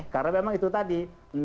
karena memang itu tadi